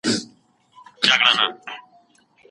په دې پروسه کي حقیقي عاید زیاتیږي.